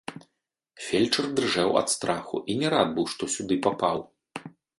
Фельчар дрыжэў ад страху і не рад быў, што сюды папаў.